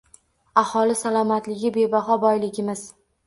Aholi salomatligi bebaho boyligimiz.